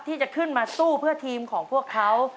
ที่จะขึ้นมาสู้เพื่อทีมของพวกเขา